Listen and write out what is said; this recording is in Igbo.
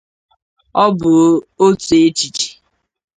O bu ótu échichè.